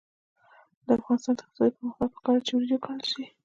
د افغانستان د اقتصادي پرمختګ لپاره پکار ده چې وریجې وکرل شي.